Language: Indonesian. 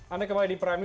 anda kembali di prami